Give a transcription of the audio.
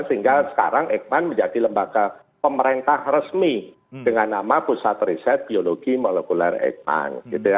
sehingga sekarang eijkman menjadi lembaga pemerintah resmi dengan nama pusat riset biologi molekuler eikman